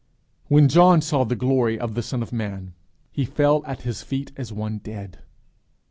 When John saw the glory of the Son of Man, he fell at his feet as one dead.